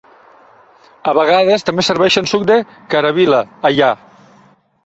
A vegades també serveixen suc de karawila allà.